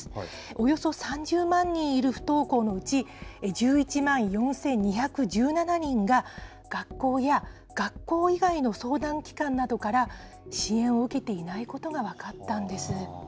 およそ３０万人いる不登校のうち、１１万４２１７人が、学校や学校以外の相談機関などから、支援を受けていないことが分かったんです。